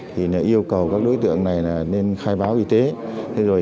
thì yêu cầu các đối tượng này nên khai báo